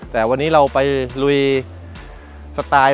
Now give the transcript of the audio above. แต่วันนี้เราไปลุยสไตล์